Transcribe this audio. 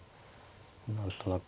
何となく。